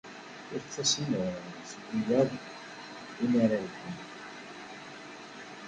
Ur ttasem seg wiyaḍ mi ara tebḥen.